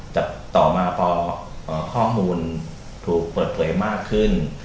แต่ต่อมาพอข้อมูลถูกเปิดเผยมากขึ้น